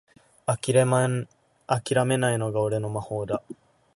あきらめないのが俺の魔法だ